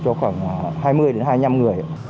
cho khoảng hai mươi đến hai mươi năm người